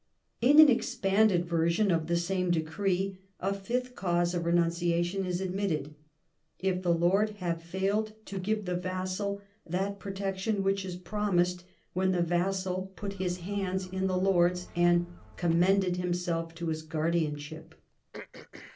In an expanded version of the same decree a fifth cause of renunciation is admitted — if the lord have failed to give to the vassal that protection which he promised when the vassal put his hands in the lord's, and " commended " himself to his guardianship.